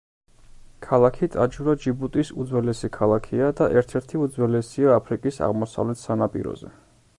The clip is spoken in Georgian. ქალაქი ტაჯურა ჯიბუტის უძველესი ქალაქია და ერთ-ერთი უძველესია აფრიკის აღმოსავლეთ სანაპიროზე.